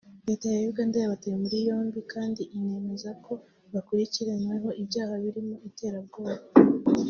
Leta ya Uganda yabataye muri yombi kandi inemeza ko bakurikiranyweho ibyaha birimo iterabwoba